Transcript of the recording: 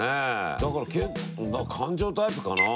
だから感情タイプかな。